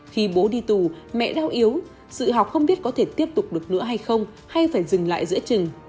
khi bố đi tù mẹ đau yếu sự học không biết có thể tiếp tục được nữa hay không hay phải dừng lại giữa trừng